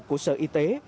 của sở y tế